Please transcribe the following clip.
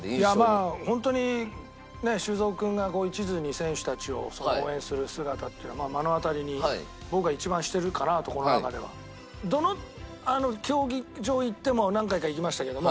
まあホントにね修造君が一途に選手たちを応援する姿っていうのは目の当たりに僕が一番してるかなとこの中では。何回か行きましたけども。